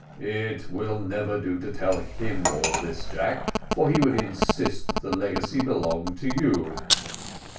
"It never will do to tell him all this, Jack, for he would insist that the legacy belonged to you."